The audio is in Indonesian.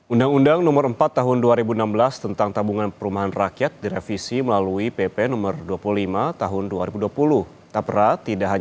undang undang nomor empat tahun dua ribu enam belas tentang tabungan perumahan rakyat direvisi melalui pp no dua puluh lima tahun dua ribu dua puluh